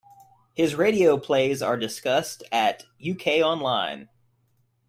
His radio plays are discussed at ukonline.